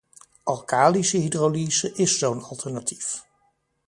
Alkalische hydrolyse is zo'n alternatief.